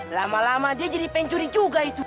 lama lama dia jadi pencuri juga itu